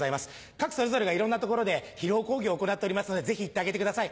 各それぞれがいろんな所で披露興行を行っておりますのでぜひ行ってあげてください